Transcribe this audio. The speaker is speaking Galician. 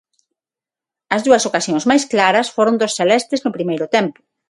As dúas ocasións máis claras foron dos celestes no primeiro tempo.